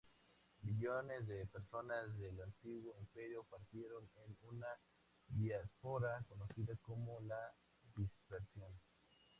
Billones de personas del antiguo imperio partieron en una diáspora conocida como la Dispersión.